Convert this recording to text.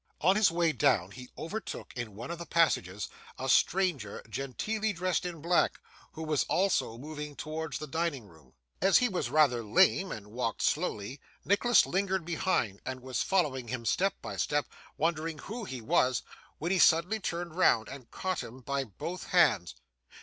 On his way down, he overtook, in one of the passages, a stranger genteelly dressed in black, who was also moving towards the dining room. As he was rather lame, and walked slowly, Nicholas lingered behind, and was following him step by step, wondering who he was, when he suddenly turned round and caught him by both hands.